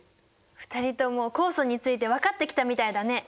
２人とも酵素について分かってきたみたいだね！